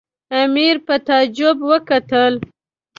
امیر په تعجب وکتل.